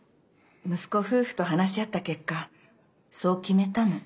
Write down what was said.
息子夫婦と話し合った結果そう決めたの。